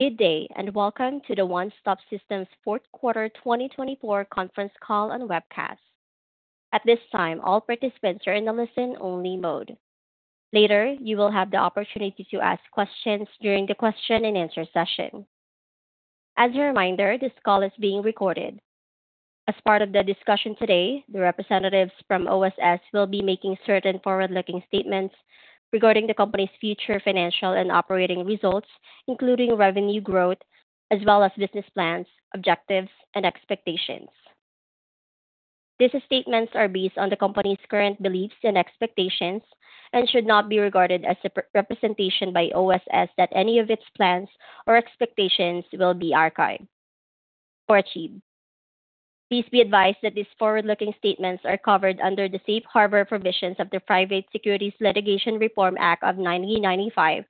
Good day, and welcome to the One Stop Systems Q4 2024 Conference Call and Webcast. At this time, all participants are in the listen-only mode. Later, you will have the opportunity to ask questions during the question-and-answer session. As a reminder, this call is being recorded. As part of the discussion today, the representatives from OSS will be making certain forward-looking statements regarding the company's future financial and operating results, including revenue growth, as well as business plans, objectives, and expectations. These statements are based on the company's current beliefs and expectations and should not be regarded as a representation by OSS that any of its plans or expectations will be achieved. Please be advised that these forward-looking statements are covered under the safe harbor provisions of the Private Securities Litigation Reform Act of 1995,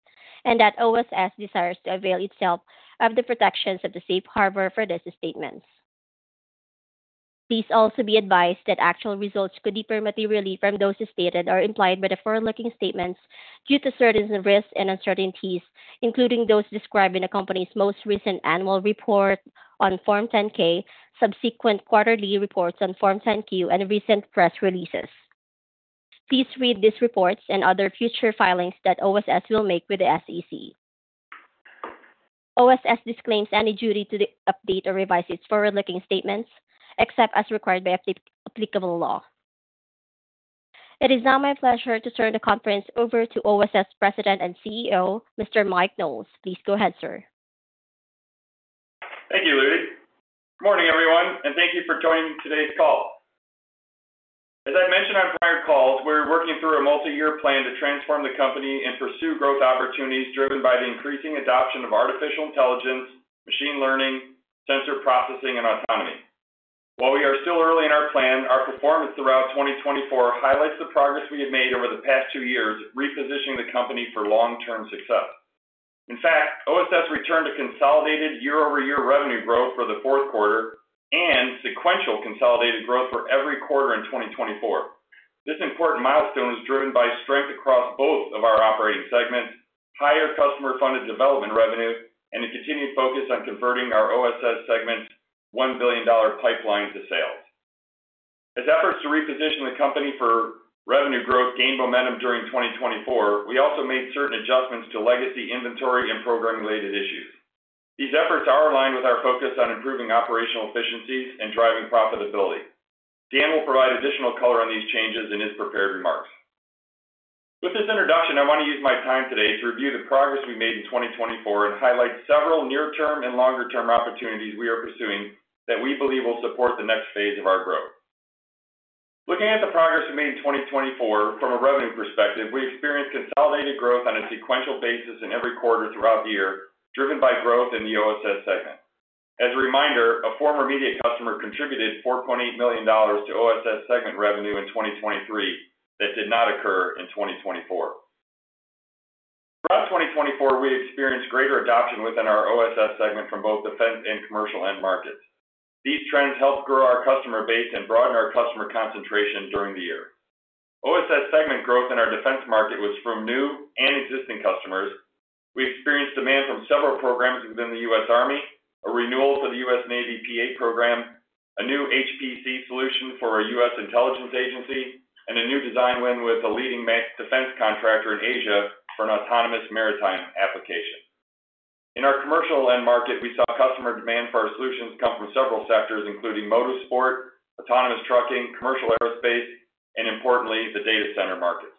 and that OSS desires to avail itself of the protections of the safe harbor for these statements. Please also be advised that actual results could be different from those stated or implied by the forward-looking statements due to certain risks and uncertainties, including those described in the company's most recent annual report on Form 10-K, subsequent quarterly reports on Form 10-Q, and recent press releases. Please read these reports and other future filings that OSS will make with the SEC. OSS disclaims any duty to update or revise its forward-looking statements, except as required by applicable law. It is now my pleasure to turn the conference over to OSS President and CEO, Mr. Mike Knowles. Please go ahead, sir. Thank you, Louie. Good morning, everyone, and thank you for joining today's call. As I mentioned on prior calls, we're working through a multi-year plan to transform the company and pursue growth opportunities driven by the increasing adoption of artificial intelligence, machine learning, sensor processing, and autonomy. While we are still early in our plan, our performance throughout 2024 highlights the progress we have made over the past two years, repositioning the company for long-term success. In fact, OSS returned to consolidated year-over-year revenue growth for the Q4 and sequential consolidated growth for every quarter in 2024. This important milestone is driven by strength across both of our operating segments, higher customer-funded development revenue, and a continued focus on converting our OSS segment's $1 billion pipeline to sales. As efforts to reposition the company for revenue growth gained momentum during 2024, we also made certain adjustments to legacy inventory and programming-related issues. These efforts are aligned with our focus on improving operational efficiencies and driving profitability. Dan will provide additional color on these changes in his prepared remarks. With this introduction, I want to use my time today to review the progress we made in 2024 and highlight several near-term and longer-term opportunities we are pursuing that we believe will support the next phase of our growth. Looking at the progress we made in 2024, from a revenue perspective, we experienced consolidated growth on a sequential basis in every quarter throughout the year, driven by growth in the OSS segment. As a reminder, a former media customer contributed $4.8 million to OSS segment revenue in 2023 that did not occur in 2024. Throughout 2024, we experienced greater adoption within our OSS segment from both defense and commercial end markets. These trends helped grow our customer base and broaden our customer concentration during the year. OSS segment growth in our defense market was from new and existing customers. We experienced demand from several programs within the US Army, a renewal for the US Navy P-8 program, a new HPC solution for a US intelligence agency, and a new design win with a leading defense contractor in Asia for an autonomous maritime application. In our commercial end market, we saw customer demand for our solutions come from several sectors, including motorsport, autonomous trucking, commercial aerospace, and importantly, the data center markets.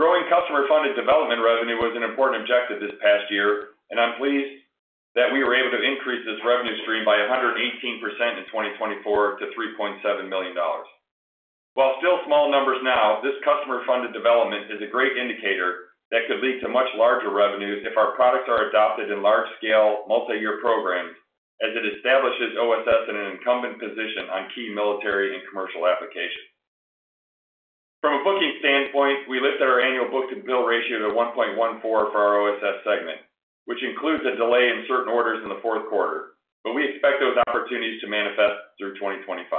Growing customer-funded development revenue was an important objective this past year, and I'm pleased that we were able to increase this revenue stream by 118% in 2024 to $3.7 million. While still small numbers now, this customer-funded development is a great indicator that could lead to much larger revenues if our products are adopted in large-scale, multi-year programs, as it establishes OSS in an incumbent position on key military and commercial applications. From a booking standpoint, we lifted our annual book-to-bill ratio to 1.14 for our OSS segment, which includes a delay in certain orders in the Q4, but we expect those opportunities to manifest through 2025.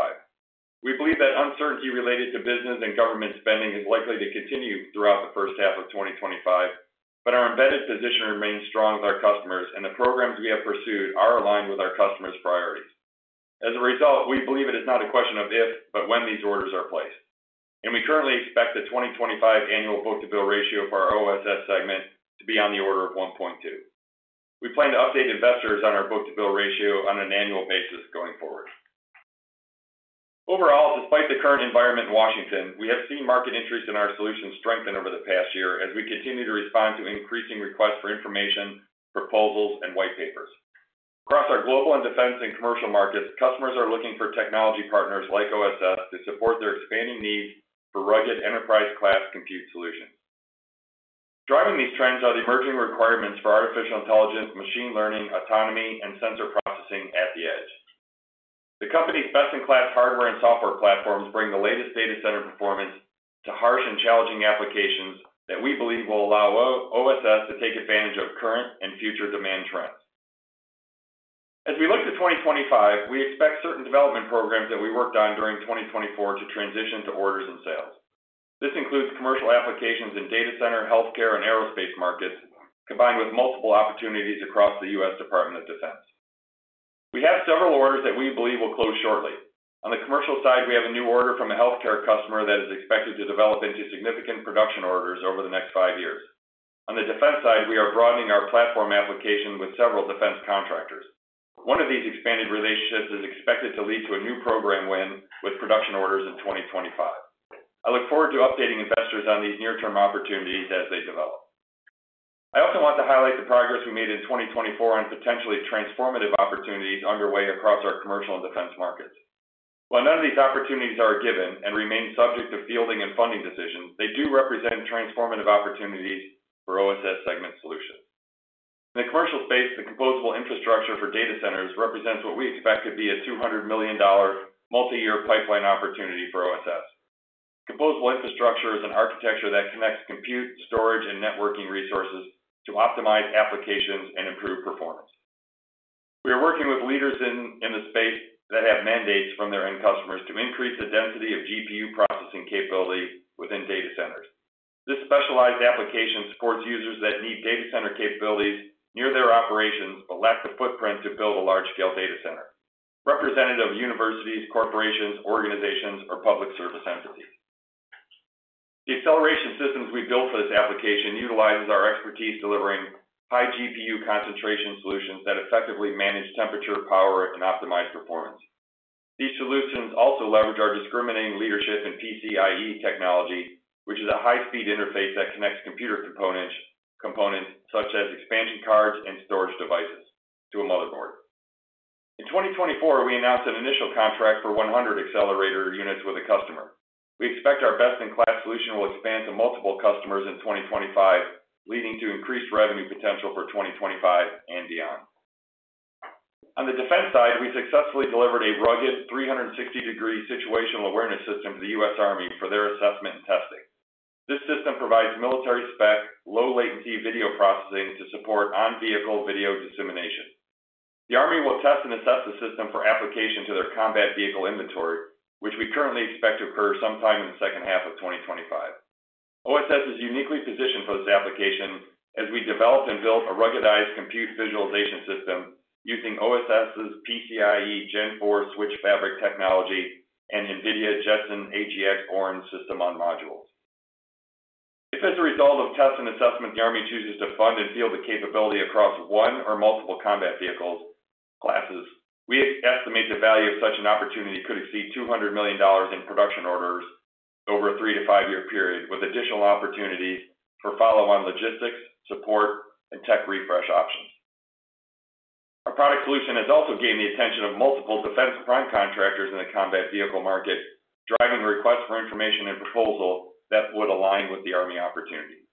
We believe that uncertainty related to business and government spending is likely to continue throughout the first half of 2025, but our embedded position remains strong with our customers, and the programs we have pursued are aligned with our customers' priorities. As a result, we believe it is not a question of if, but when these orders are placed. We currently expect the 2025 annual book-to-bill ratio for our OSS segment to be on the order of 1.2. We plan to update investors on our book-to-bill ratio on an annual basis going forward. Overall, despite the current environment in Washington, we have seen market interest in our solutions strengthen over the past year as we continue to respond to increasing requests for information, proposals, and white papers. Across our global and defense and commercial markets, customers are looking for technology partners like OSS to support their expanding needs for rugged enterprise-class compute solutions. Driving these trends are the emerging requirements for artificial intelligence, machine learning, autonomy, and sensor processing at the edge. The company's best-in-class hardware and software platforms bring the latest data center performance to harsh and challenging applications that we believe will allow OSS to take advantage of current and future demand trends. As we look to 2025, we expect certain development programs that we worked on during 2024 to transition to orders and sales. This includes commercial applications in data center, healthcare, and aerospace markets, combined with multiple opportunities across the U.S. Department of Defense. We have several orders that we believe will close shortly. On the commercial side, we have a new order from a healthcare customer that is expected to develop into significant production orders over the next five years. On the defense side, we are broadening our platform application with several defense contractors. One of these expanded relationships is expected to lead to a new program win with production orders in 2025. I look forward to updating investors on these near-term opportunities as they develop. I also want to highlight the progress we made in 2024 on potentially transformative opportunities underway across our commercial and defense markets. While none of these opportunities are a given and remain subject to fielding and funding decisions, they do represent transformative opportunities for OSS segment solutions. In the commercial space, the composable infrastructure for data centers represents what we expect to be a $200 million multi-year pipeline opportunity for OSS. Composable infrastructure is an architecture that connects compute, storage, and networking resources to optimize applications and improve performance. We are working with leaders in the space that have mandates from their end customers to increase the density of GPU processing capability within data centers. This specialized application supports users that need data center capabilities near their operations but lack the footprint to build a large-scale data center, representative of universities, corporations, organizations, or public service entities. The acceleration systems we built for this application utilize our expertise delivering high GPU concentration solutions that effectively manage temperature, power, and optimize performance. These solutions also leverage our discriminating leadership in PCIe technology, which is a high-speed interface that connects computer components such as expansion cards and storage devices to a motherboard. In 2024, we announced an initial contract for 100 accelerator units with a customer. We expect our best-in-class solution will expand to multiple customers in 2025, leading to increased revenue potential for 2025 and beyond. On the defense side, we successfully delivered a rugged 360-degree situational awareness system for the US Army for their assessment and testing. This system provides military-spec, low-latency video processing to support on-vehicle video dissemination. The Army will test and assess the system for application to their combat vehicle inventory, which we currently expect to occur sometime in the second half of 2025. OSS is uniquely positioned for this application as we developed and built a ruggedized compute visualization system using OSS's PCIe Gen 4 switch fabric technology and NVIDIA Jetson AGX Orin system on modules. If, as a result of tests and assessments, the Army chooses to fund and field the capability across one or multiple combat vehicles classes, we estimate the value of such an opportunity could exceed $200 million in production orders over a three-to-five-year period, with additional opportunities for follow-on logistics, support, and tech refresh options. Our product solution has also gained the attention of multiple defense prime contractors in the combat vehicle market, driving requests for information and proposals that would align with the Army opportunity.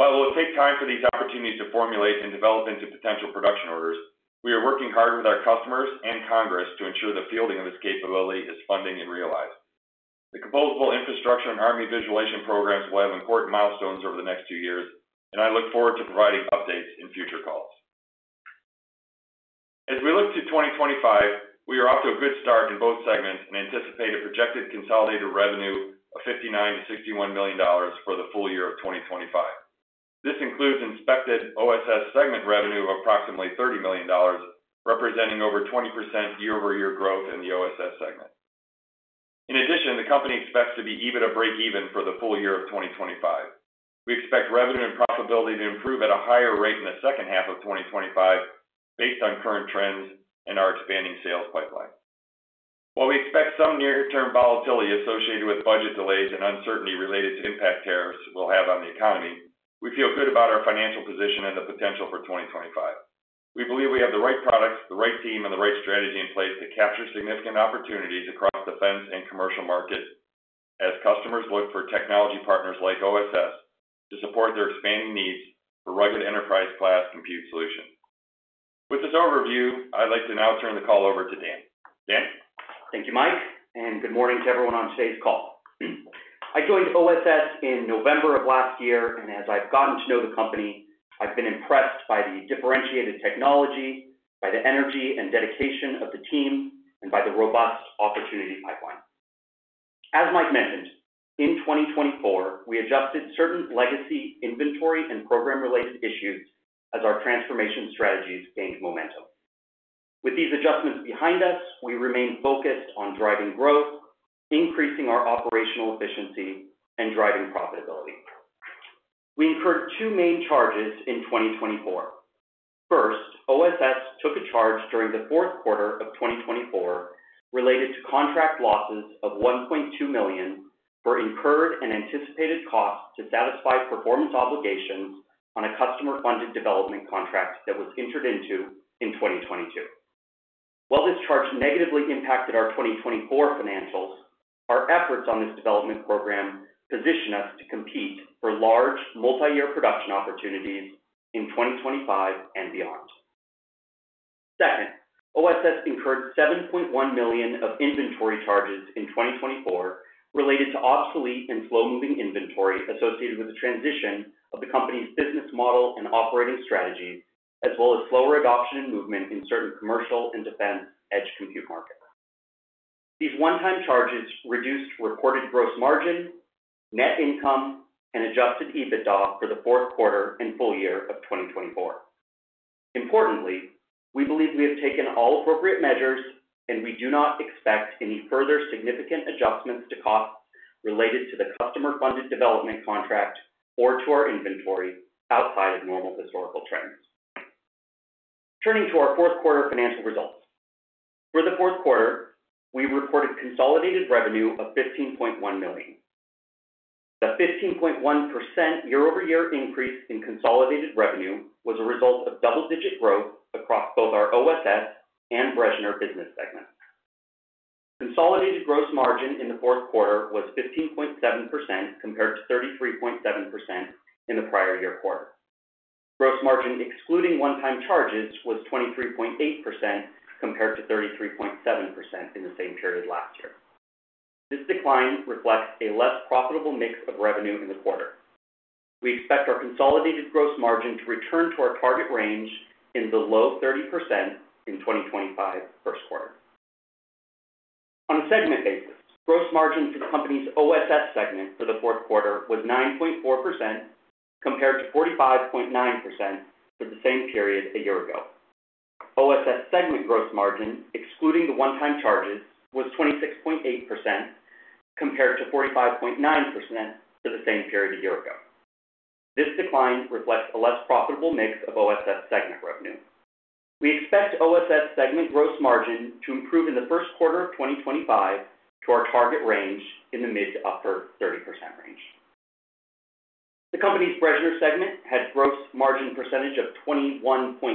While it will take time for these opportunities to formulate and develop into potential production orders, we are working hard with our customers and Congress to ensure the fielding of this capability is funded and realized. The composable infrastructure and Army visualization programs will have important milestones over the next two years, and I look forward to providing updates in future calls. As we look to 2025, we are off to a good start in both segments and anticipate a projected consolidated revenue of $59 to $61 million for the full year of 2025. This includes expected OSS segment revenue of approximately $30 million, representing over 20% year-over-year growth in the OSS segment. In addition, the company expects to be at break-even for the full year of 2025. We expect revenue and profitability to improve at a higher rate in the second half of 2025 based on current trends and our expanding sales pipeline. While we expect some near-term volatility associated with budget delays and uncertainty related to impact tariffs will have on the economy, we feel good about our financial position and the potential for 2025. We believe we have the right products, the right team, and the right strategy in place to capture significant opportunities across defense and commercial markets as customers look for technology partners like OSS to support their expanding needs for rugged enterprise-class compute solutions. With this overview, I'd like to now turn the call over to Dan. Dan. Thank you, Mike, and good morning to everyone on today's call. I joined OSS in November of last year, and as I've gotten to know the company, I've been impressed by the differentiated technology, by the energy and dedication of the team, and by the robust opportunity pipeline. As Mike mentioned, in 2024, we adjusted certain legacy inventory and program-related issues as our transformation strategies gained momentum. With these adjustments behind us, we remain focused on driving growth, increasing our operational efficiency, and driving profitability. We incurred two main charges in 2024. First, OSS took a charge during the Q4 of 2024 related to contract losses of $1.2 million for incurred and anticipated costs to satisfy performance obligations on a customer-funded development contract that was entered into in 2022. While this charge negatively impacted our 2024 financials, our efforts on this development program position us to compete for large multi-year production opportunities in 2025 and beyond. Second, OSS incurred $7.1 million of inventory charges in 2024 related to obsolete and slow-moving inventory associated with the transition of the company's business model and operating strategy, as well as slower adoption and movement in certain commercial and defense edge compute markets. These one-time charges reduced reported gross margin, net income, and adjusted EBITDA for the Q4 and full year of 2024. Importantly, we believe we have taken all appropriate measures, and we do not expect any further significant adjustments to costs related to the customer-funded development contract or to our inventory outside of normal historical trends. Turning to our Q4 financial results. For the Q4, we reported consolidated revenue of $15.1 million. The 15.1% year-over-year increase in consolidated revenue was a result of double-digit growth across both our OSS and Bressner business segments. Consolidated gross margin in the Q4 was 15.7% compared to 33.7% in the prior year quarter. Gross margin excluding one-time charges was 23.8% compared to 33.7% in the same period last year. This decline reflects a less profitable mix of revenue in the quarter. We expect our consolidated gross margin to return to our target range in the low 30% in 2025 Q1. On a segment basis, gross margin for the company's OSS segment for the Q4 was 9.4% compared to 45.9% for the same period a year ago. OSS segment gross margin excluding the one-time charges was 26.8% compared to 45.9% for the same period a year ago. This decline reflects a less profitable mix of OSS segment revenue. We expect OSS segment gross margin to improve in the Q1 of 2025 to our target range in the mid to upper 30% range. The company's Bressner segment had gross margin percentage of 21.2%,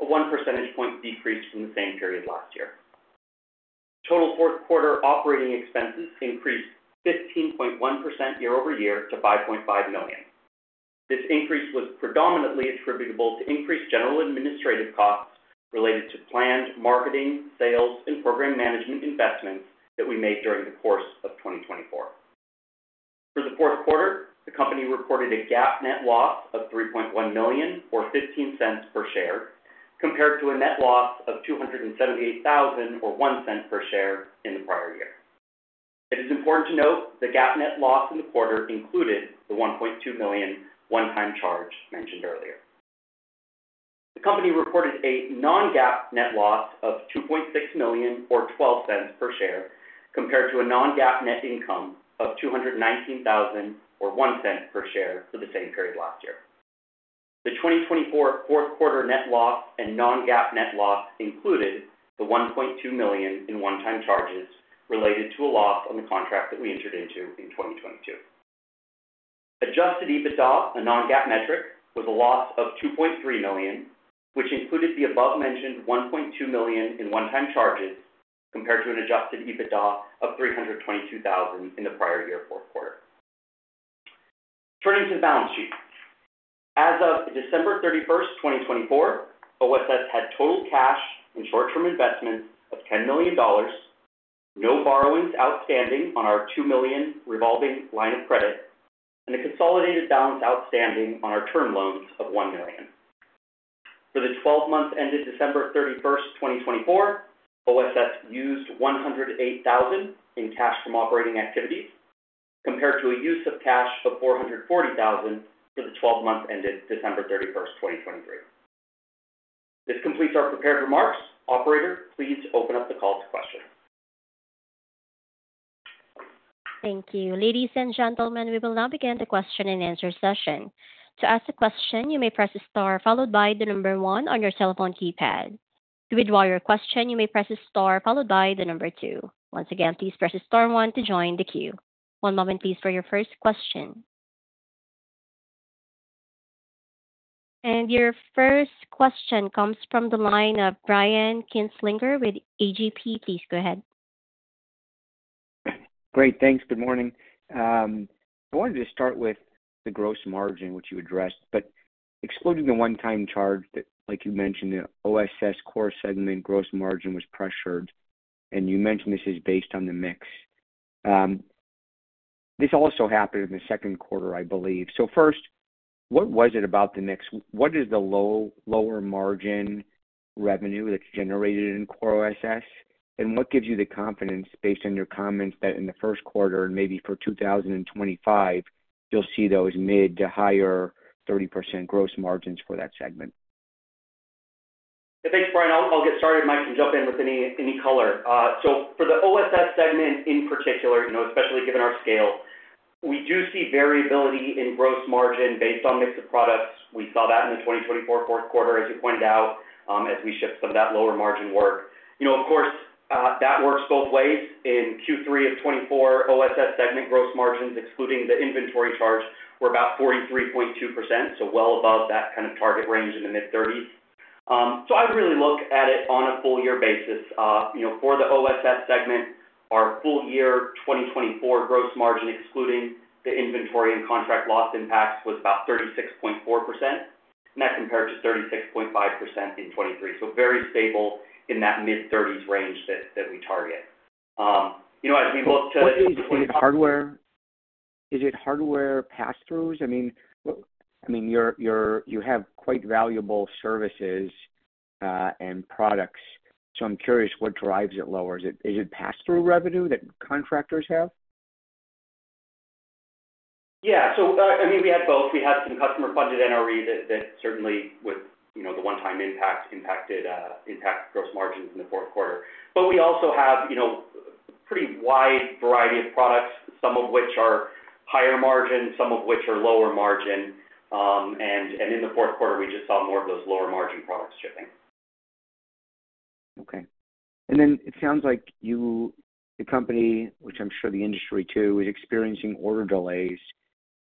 a one percentage point decrease from the same period last year. Total Q4 operating expenses increased 15.1% year-over-year to $5.5 million. This increase was predominantly attributable to increased general administrative costs related to planned marketing, sales, and program management investments that we made during the course of 2024. For the Q4, the company reported a GAAP net loss of $3.1 million, or $0.15 per share, compared to a net loss of $278,000, or $0.01 per share in the prior year. It is important to note the GAAP net loss in the quarter included the $1.2 million one-time charge mentioned earlier. The company reported a non-GAAP net loss of $2.6 million, or $0.12 per share, compared to a non-GAAP net income of $219,000, or $0.01 per share for the same period last year. The 2024 Q4 net loss and non-GAAP net loss included the $1.2 million in one-time charges related to a loss on the contract that we entered into in 2022. Adjusted EBITDA, a non-GAAP metric, was a loss of $2.3 million, which included the above-mentioned $1.2 million in one-time charges compared to an adjusted EBITDA of $322,000 in the prior year Q4. Turning to the balance sheet. As of 31 December 2024, OSS had total cash and short-term investments of $10 million, no borrowings outstanding on our $2 million revolving line of credit, and a consolidated balance outstanding on our term loans of $1 million. For the 12 months ended 31 December 2024, OSS used $108,000 in cash from operating activities compared to a use of cash of $440,000 for the 12 months ended 31 December 2023. This completes our prepared remarks. Operator, please open up the call to questions. Thank you. Ladies and gentlemen, we will now begin the question and answer session. To ask a question, you may press the star followed by the number one on your cell phone keypad. To withdraw your question, you may press the star followed by the number two. Once again, please press the star one to join the queue. One moment, please, for your first question. Your first question comes from the line of Brian Kinstlinger with AGP. Please go ahead. Great. Thanks. Good morning. I wanted to start with the gross margin, which you addressed, but excluding the one-time charge that, like you mentioned, the OSS core segment gross margin was pressured, and you mentioned this is based on the mix. This also happened in the Q2, I believe. First, what was it about the mix? What is the lower margin revenue that's generated in core OSS, and what gives you the confidence based on your comments that in the Q1 and maybe for 2025, you'll see those mid to higher 30% gross margins for that segment? Thanks, Brian. I'll get started. Mike can jump in with any color. For the OSS segment in particular, especially given our scale, we do see variability in gross margin based on mix of products. We saw that in the 2024 Q4, as you pointed out, as we shift some of that lower margin work. Of course, that works both ways. In Q3 of 2024, OSS segment gross margins, excluding the inventory charge, were about 43.2%, so well above that kind of target range in the mid-30s. I really look at it on a full-year basis. For the OSS segment, our full-year 2024 gross margin, excluding the inventory and contract loss impacts, was about 36.4%, and that compared to 36.5% in 2023. Very stable in that mid-30s range that we target. As we look to. Is it hardware pass-throughs? I mean, you have quite valuable services and products, so I'm curious what drives it lower. Is it pass-through revenue that contractors have? Yeah. I mean, we had both. We had some customer-funded NRE that certainly, with the one-time impact, impacted gross margins in the Q4. We also have a pretty wide variety of products, some of which are higher margin, some of which are lower margin. In the Q4, we just saw more of those lower margin products shipping. Okay. It sounds like the company, which I'm sure the industry too, is experiencing order delays,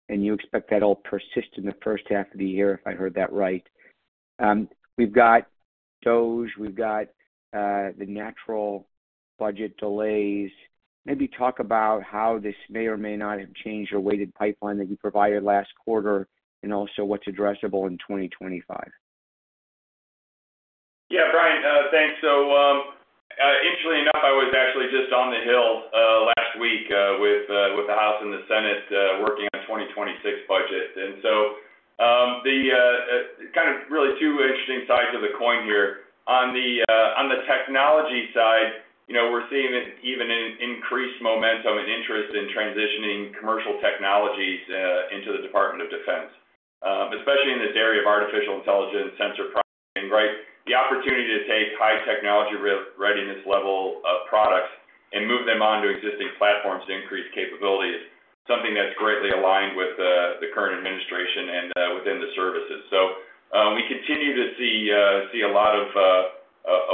and you expect that'll persist in the first half of the year, if I heard that right. We've got DOGE, we've got the natural budget delays. Maybe talk about how this may or may not have changed your weighted pipeline that you provided last quarter and also what's addressable in 2025. Yeah, Brian, thanks. Interestingly enough, I was actually just on the Hill last week with the House and the Senate working on the 2026 budget. Kind of really two interesting sides of the coin here. On the technology side, we're seeing even an increased momentum and interest in transitioning commercial technologies into the Department of Defense, especially in this area of artificial intelligence, sensor processing, right? The opportunity to take high technology readiness level products and move them on to existing platforms to increase capability is something that's greatly aligned with the current administration and within the services. We continue to see a lot of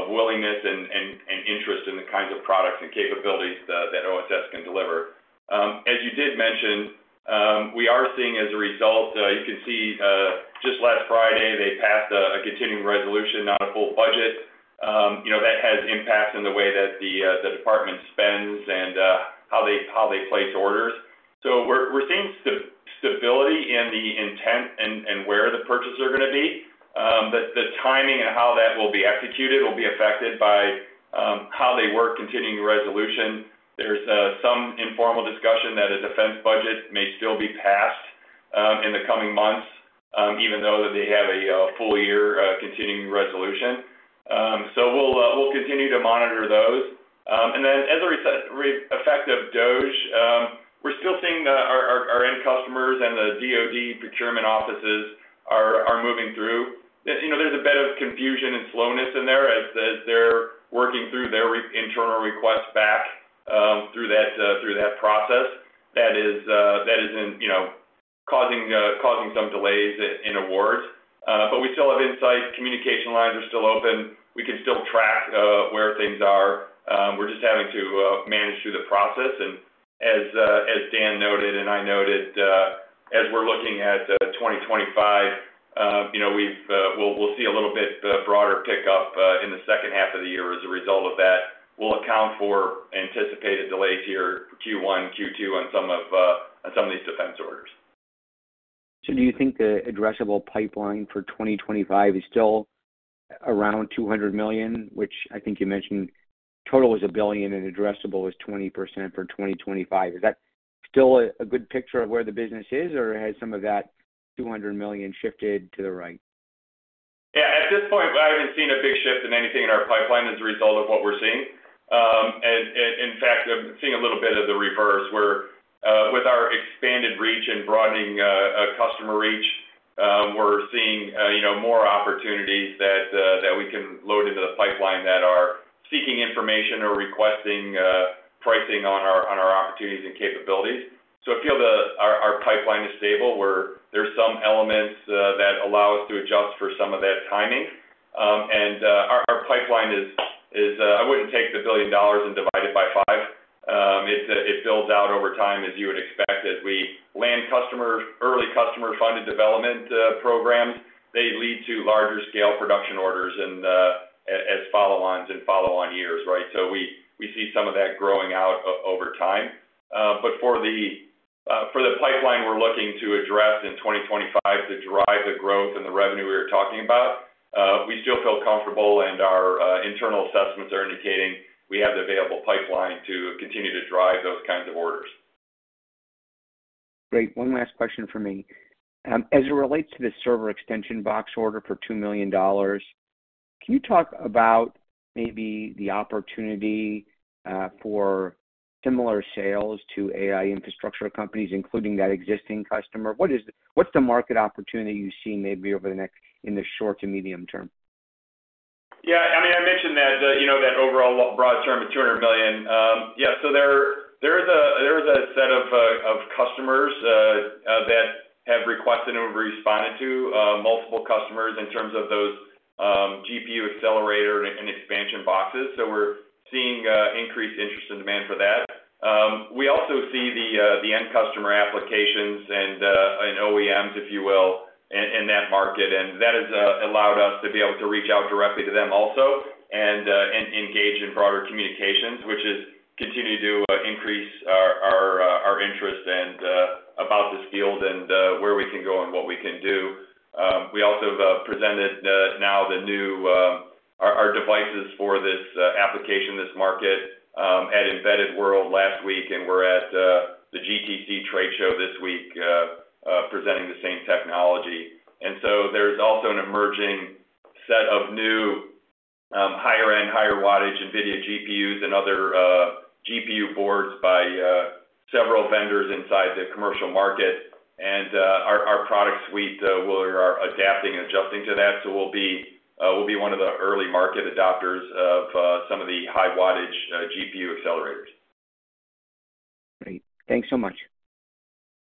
willingness and interest in the kinds of products and capabilities that OSS can deliver. As you did mention, we are seeing as a result, you can see just last Friday, they passed a continuing resolution on a full budget. That has impacts in the way that the department spends and how they place orders. We're seeing stability in the intent and where the purchases are going to be. The timing and how that will be executed will be affected by how they work continuing resolution. There is some informal discussion that a defense budget may still be passed in the coming months, even though they have a full-year continuing resolution. We will continue to monitor those. As a reflective of DoD, we're still seeing our end customers and the DoD procurement offices are moving through. There is a bit of confusion and slowness in there as they're working through their internal request back through that process that is causing some delays in awards. We still have insight. Communication lines are still open. We can still track where things are. We're just having to manage through the process. As Dan noted and I noted, as we're looking at 2025, we'll see a little bit broader pickup in the second half of the year as a result of that. We'll account for anticipated delays here for Q1, Q2, and some of these defense orders. Do you think the addressable pipeline for 2025 is still around $200 million, which I think you mentioned total was a billion and addressable was 20% for 2025? Is that still a good picture of where the business is, or has some of that $200 million shifted to the right? Yeah. At this point, I haven't seen a big shift in anything in our pipeline as a result of what we're seeing. In fact, I'm seeing a little bit of the reverse where with our expanded reach and broadening customer reach, we're seeing more opportunities that we can load into the pipeline that are seeking information or requesting pricing on our opportunities and capabilities. I feel our pipeline is stable where there's some elements that allow us to adjust for some of that timing. Our pipeline is I wouldn't take the billion dollars and divide it by five. It builds out over time as you would expect. As we land early customer-funded development programs, they lead to larger scale production orders and as follow-ons and follow-on years, right? We see some of that growing out over time. For the pipeline we're looking to address in 2025 to drive the growth and the revenue we were talking about, we still feel comfortable and our internal assessments are indicating we have the available pipeline to continue to drive those kinds of orders. Great. One last question for me. As it relates to the server extension box order for $2 million, can you talk about maybe the opportunity for similar sales to AI infrastructure companies, including that existing customer? What's the market opportunity you see maybe over the next in the short to medium term? Yeah. I mean, I mentioned that overall broad term of $200 million. Yeah. There is a set of customers that have requested and responded to multiple customers in terms of those GPU accelerator and expansion boxes. We are seeing increased interest and demand for that. We also see the end customer applications and OEMs, if you will, in that market. That has allowed us to be able to reach out directly to them also and engage in broader communications, which has continued to increase our interest about this field and where we can go and what we can do. We also have presented now our devices for this application, this market at Embedded World last week, and we are at the GTC Trade Show this week presenting the same technology. There is also an emerging set of new higher-end, higher wattage NVIDIA GPUs and other GPU boards by several vendors inside the commercial market. Our product suite will adapt and adjust to that. We will be one of the early market adopters of some of the high-wattage GPU accelerators. Great. Thanks so much.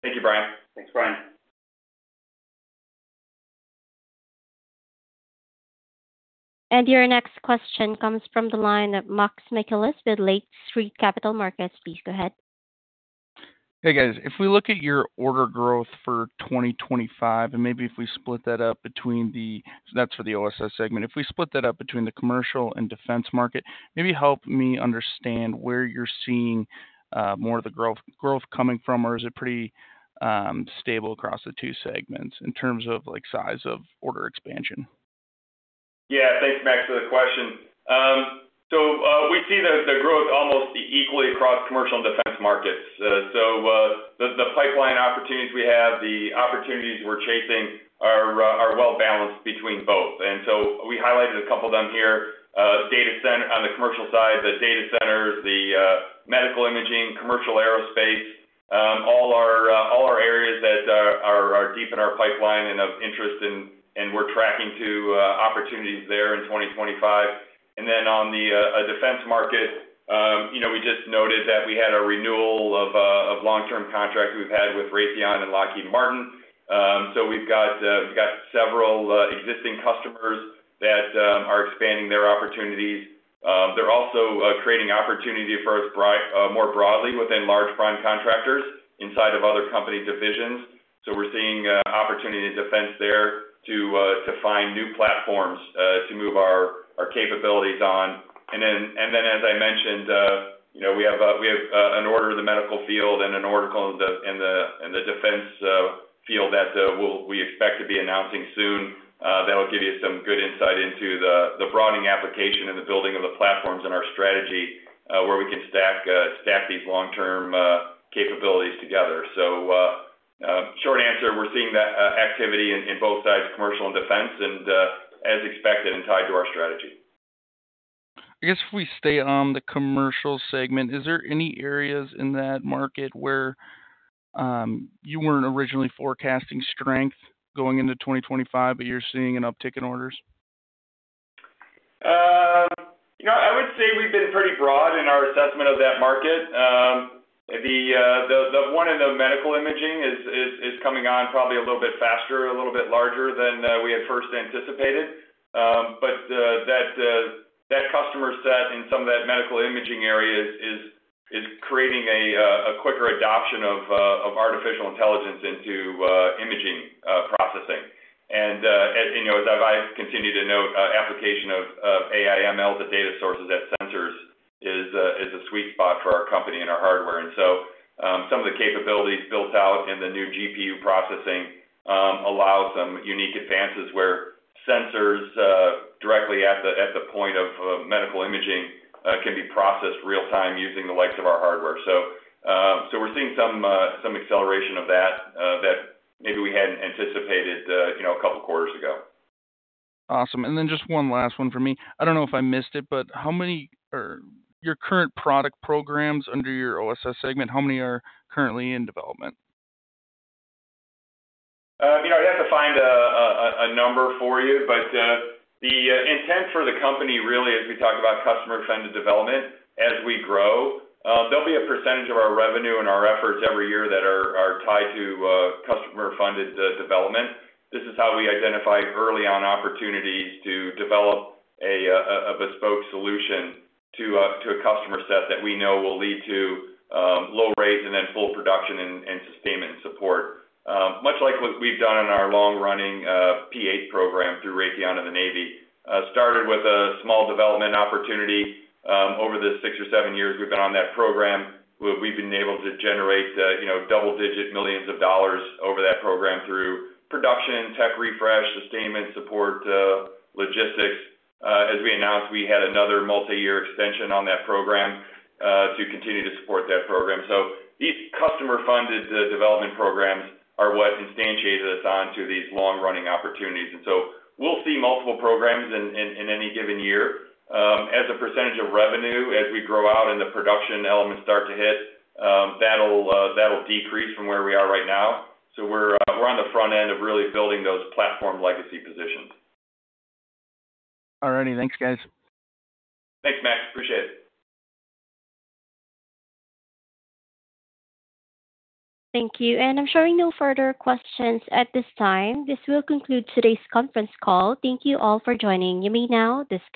Thank you, Brian. Thanks, Brian. Your next question comes from the line of Max Michaelis with Lake Street Capital Markets. Please go ahead. Hey, guys. If we look at your order growth for 2025, and maybe if we split that up between the—so that's for the OSS segment. If we split that up between the commercial and defense market, maybe help me understand where you're seeing more of the growth coming from, or is it pretty stable across the two segments in terms of size of order expansion? Yeah. Thanks, Max, for the question. We see the growth almost equally across commercial and defense markets. The pipeline opportunities we have, the opportunities we're chasing are well balanced between both. We highlighted a couple of them here: data center on the commercial side, the data centers, the medical imaging, commercial aerospace, all are areas that are deep in our pipeline and of interest, and we're tracking to opportunities there in 2025. On the defense market, we just noted that we had a renewal of long-term contracts we've had with Raytheon and Lockheed Martin. We've got several existing customers that are expanding their opportunities. They're also creating opportunity for us more broadly within large prime contractors inside of other company divisions. We're seeing opportunity in defense there to find new platforms to move our capabilities on. As I mentioned, we have an order in the medical field and an order in the defense field that we expect to be announcing soon that will give you some good insight into the broadening application and the building of the platforms in our strategy where we can stack these long-term capabilities together. Short answer, we are seeing that activity in both sides, commercial and defense, as expected and tied to our strategy. I guess if we stay on the commercial segment, is there any areas in that market where you were not originally forecasting strength going into 2025, but you are seeing an uptick in orders? I would say we've been pretty broad in our assessment of that market. The one in the medical imaging is coming on probably a little bit faster, a little bit larger than we had first anticipated. That customer set in some of that medical imaging area is creating a quicker adoption of artificial intelligence into imaging processing. As I've continued to note, application of AI/ML to data sources at sensors is a sweet spot for our company and our hardware. Some of the capabilities built out in the new GPU processing allow some unique advances where sensors directly at the point of medical imaging can be processed real-time using the likes of our hardware. We are seeing some acceleration of that that maybe we hadn't anticipated a couple of quarters ago. Awesome. Just one last one for me. I don't know if I missed it, but how many are your current product programs under your OSS segment? How many are currently in development? I'd have to find a number for you, but the intent for the company really, as we talk about customer-funded development, as we grow, there'll be a percentage of our revenue and our efforts every year that are tied to customer-funded development. This is how we identify early-on opportunities to develop a bespoke solution to a customer set that we know will lead to low rates and then full production and sustainment support, much like what we've done in our long-running P-8 program through Raytheon and the Navy. Started with a small development opportunity. Over the six or seven years we've been on that program, we've been able to generate double-digit millions of dollars over that program through production, tech refresh, sustainment support, logistics. As we announced, we had another multi-year extension on that program to continue to support that program. These customer-funded development programs are what instantiated us onto these long-running opportunities. We'll see multiple programs in any given year. As a percentage of revenue, as we grow out and the production elements start to hit, that'll decrease from where we are right now. We're on the front end of really building those platform legacy positions. All righty. Thanks, guys. Thanks, Max. Appreciate it. Thank you. I am sure we have no further questions at this time. This will conclude today's conference call. Thank you all for joining. You may now disconnect.